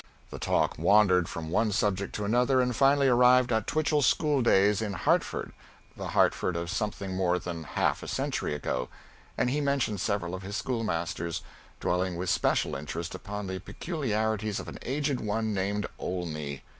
The talk wandered from one subject to another, and finally arrived at Twichell's school days in Hartford the Hartford of something more than half a century ago and he mentioned several of his schoolmasters, dwelling with special interest upon the peculiarities of an aged one named Olney.